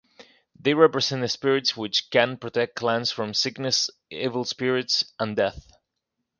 They represent spirits which can protect clans from sickness, evil spirits, and death.